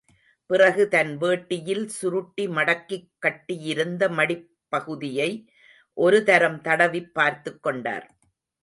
பிறகு தன் வேட்டியில் சுருட்டி மடக்கிக் கட்டியிருந்த மடிப் பகுதியை ஒரு தரம் தடவிப் பார்த்துக் கொண்டார்.